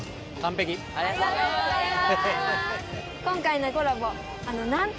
ありがとうございます！